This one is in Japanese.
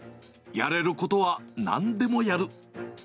やれることはなんでもやる。